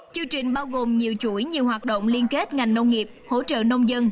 chương trình bao gồm nhiều chuỗi nhiều hoạt động liên kết ngành nông nghiệp hỗ trợ nông dân